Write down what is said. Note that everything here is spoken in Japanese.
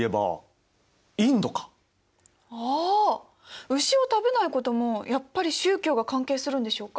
ああ牛を食べないこともやっぱり宗教が関係するんでしょうか？